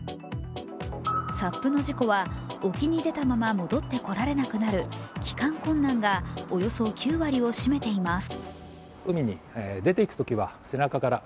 ＳＵＰの事故は沖に出たまま戻ってこられなくなる帰還困難がおよそ９割を占めています。